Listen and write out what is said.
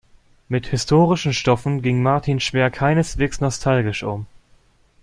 Mit historischen Stoffen ging Martin Sperr keineswegs nostalgisch um.